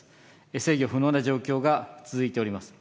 制御不能な状況が続いております。